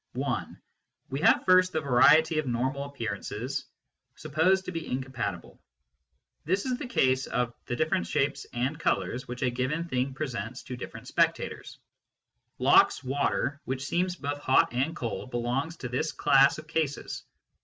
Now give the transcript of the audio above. d) We have first the variety of normal appearances, supposed to be incompatible. This is the case of the different shapes and colours which a given thing presents to different spectators. Locke s water which seems both hot and cold belongs to this class of cases.